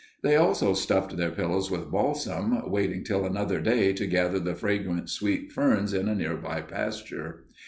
They also stuffed their pillows with balsam, waiting till another day to gather the fragrant sweet ferns in a near by pasture.